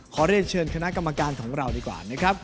ขอเรียนเชิญคณะกรรมการของเราดีกว่านะครับ